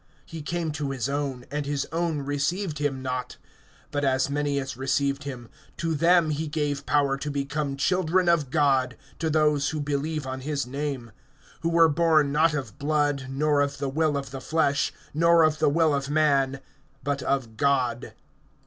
(11)He came to his own, and his own received him not. (12)But as many as received him, to them he gave power to become children of God, to those who believe on his name; (13)who were born, not of blood, nor of the will of the flesh, nor of the will of man, but of God.